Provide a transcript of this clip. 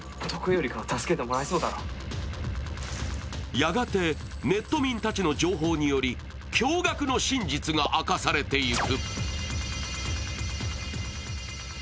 やがてネット民たちの情報により、驚がくの真実が明かされていく。